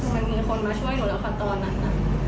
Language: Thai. มันไม่มีคนมาช่วยหนูละคะตอนนั้นละ